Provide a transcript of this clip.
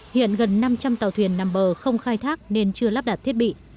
hiện gần năm trăm linh tàu thuyền nằm bờ không khai thác nên chưa lắp đặt thiết bị